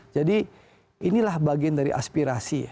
jadi inilah bagian dari aspirasi